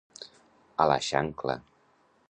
A la xancla.